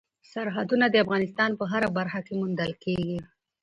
سرحدونه د افغانستان په هره برخه کې موندل کېږي.